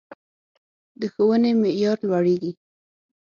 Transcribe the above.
د ښوونې معیار لوړیږي